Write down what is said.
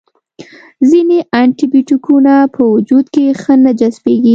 ځینې انټي بیوټیکونه په وجود کې ښه نه جذبیږي.